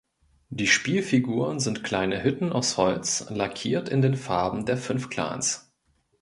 Die Spielfiguren sind kleine Hütten aus Holz, lackiert in den Farben der fünf Clans.